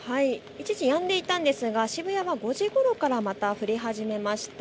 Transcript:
一時、やんでいたんですが渋谷は５時ごろからまた降り始めました。